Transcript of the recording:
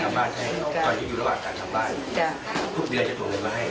ก็อยู่ระหว่างการทำบ้านทุกเดือนจะส่งเงินมาให้